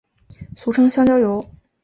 俗称香蕉油。